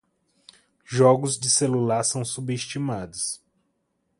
Jogos de celular são subestimados